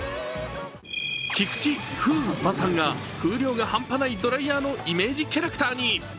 菊池風磨さんが風量が半端ないドライヤーのイメージキャラクターに。